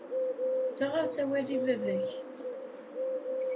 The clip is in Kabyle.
Ttaɣ-as awal i baba-k.